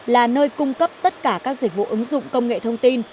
là nơi cung cấp tất cả các dịch vụ ứng dụng công nghệ thông tin